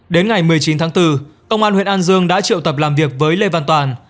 đến ngày một mươi chín tháng bốn công an huyện an dương đã triệu tập làm việc với lê văn toàn